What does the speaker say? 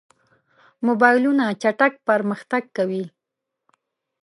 موبایلونه چټک پرمختګ کوي.